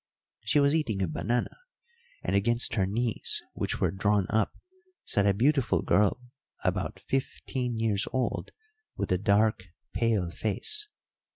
She was eating a banana, and against her knees, which were drawn up, sat a beautiful girl about fifteen years old, with a dark pale face.